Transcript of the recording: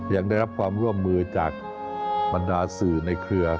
ยังได้รับความร่วมมือจากบรรดาสื่อในเครือ